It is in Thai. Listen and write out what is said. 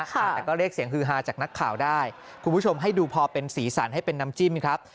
แต่ก็เรียกเสียงฮือฮาจากนักข่าวได้คุณผู้ชมให้ดูพอเป็นสีสันให้เป็นน้ำจิ้มครับ